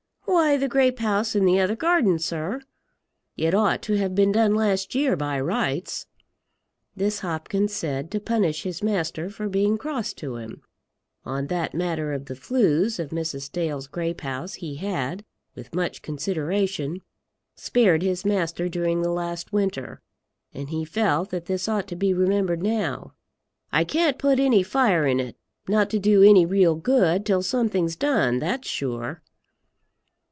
"Why, the grape house in the other garden, sir. It ought to have been done last year by rights." This Hopkins said to punish his master for being cross to him. On that matter of the flues of Mrs. Dale's grape house he had, with much consideration, spared his master during the last winter, and he felt that this ought to be remembered now. "I can't put any fire in it, not to do any real good, till something's done. That's sure."